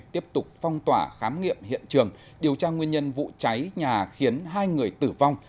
tiếp tục phong tỏa khám nghiệm hiện trường điều tra nguyên nhân vụ cháy nhà khiến hai người tử vong